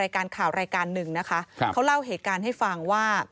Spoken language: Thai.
การข่าวรายการหนึ่งนะคะครับเขาเล่าเหตุการณ์ให้ฟังว่า